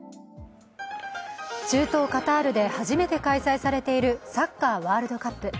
中東カタールで初めて開催されているサッカーワールドカップ。